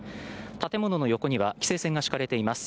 建物の横には規制線が敷かれています。